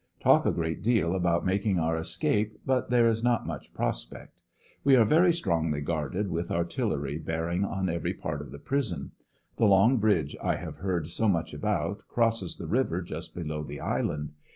Talk a great deal about making our escape but there is not much pros pect. We are very strongljr guarded with artillery bearing on every part of the prison. The long bridge I have heard so much about crosses the river just below the island.